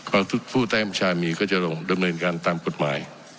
พวกผู้แท้ประชามีก็จะดำเนินการตามกฎหมาย